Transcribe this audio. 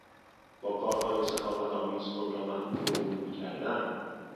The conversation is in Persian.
با کارهای سخاوت آمیز خود را محبوب القلوب کردن